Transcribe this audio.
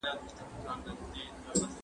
ټگان تللي وه د وخته پر آسونو